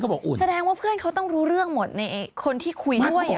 แสดงว่าเพื่อนเขาต้องรู้เรื่องหมดในคนที่คุยด้วย